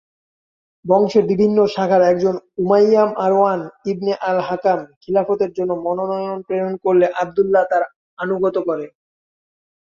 বংশের বিভিন্ন শাখার একজন উমাইয়া মারওয়ান ইবনে আল-হাকাম খিলাফতের জন্য মনোনয়ন প্রেরণ করলে আবদুল্লাহ তাঁর আনুগত্য করে।